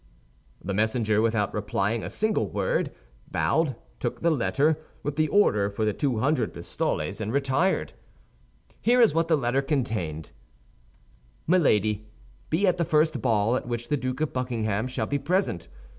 The messenger, without replying a single word, bowed, took the letter, with the order for the two hundred pistoles, and retired. Here is what the letter contained: MILADY, Be at the first ball at which the Duke of Buckingham shall be present.